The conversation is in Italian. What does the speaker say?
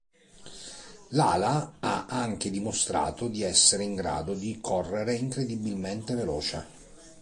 Lala ha anche dimostrato di essere in grado di correre incredibilmente veloce.